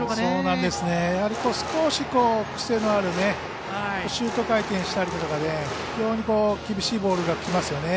やはり少し癖のあるシュート回転したりとか非常に厳しいボールがきますよね。